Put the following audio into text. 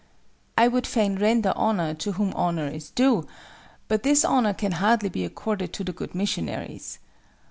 I would fain render honor to whom honor is due: but this honor can hardly be accorded to the good missionaries.